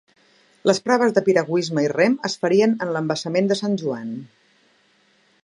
Les proves de piragüisme i rem es farien en l'embassament de Sant Joan.